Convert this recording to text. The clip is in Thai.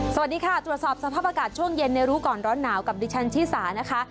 สวัสดีค่ะตรวจสอบสภาพอากาศช่วงเย็นในรู้ก่อนร้อนหนาวกับดิฉันชิสานะคะ